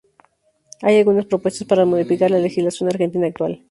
Hay algunas propuestas para modificar la legislación argentina actual.